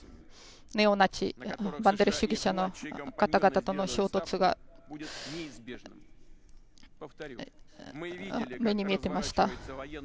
ネオナチ主義者の方々との衝突が目に見えていました。